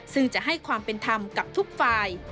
ซึ่งจะให้ความเป็นธรรมกับทุกฝ่าย